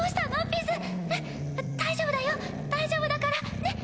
ピズ大丈夫だよ大丈夫だからねっ？